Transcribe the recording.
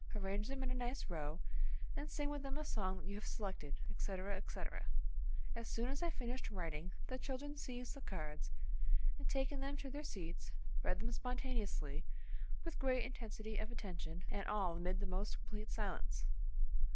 Arrange them in a nice row, and sing with them a song that you have selected," etc., etc. As soon as I finished writing, the children seized the cards, and taking them to their seats read them spontaneously with great intensity of attention, and all amid the most complete silence.